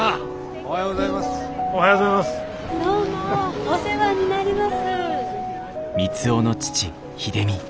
おはようございます。